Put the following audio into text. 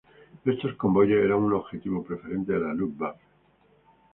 Estos convoyes eran un objetivo preferente de la Luftwaffe.